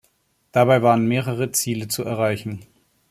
Dabei waren mehrere Ziele zu erreichen.